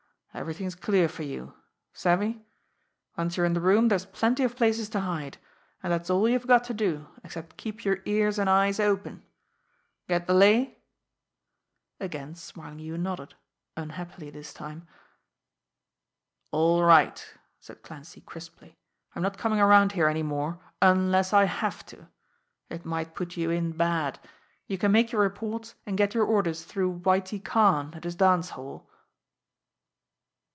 Everything's clear for you. Savvy? Once you're in the room, there's plenty of places to hide and that's all you've got to do, except keep your ears and eyes open. Get the lay?" Again Smarlinghue nodded unhappily this time. "All right!" said Clancy crisply. "I'm not coming around here any more unless I have to. It might put you in bad. You can make your reports and get your orders through Whitie Karn at his dance hall."